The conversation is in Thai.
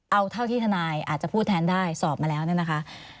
เอาเท่าที่ทนายอาจจะพูดแทนได้สอบมาแล้วเนี่ยนะคะ